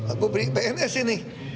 aku beri pns ini